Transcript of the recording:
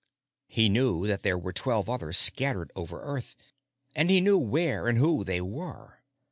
He knew that there were twelve others scattered over Earth, and he knew where and who they were.